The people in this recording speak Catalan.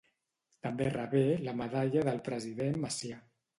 També rebé la Medalla del President Macià.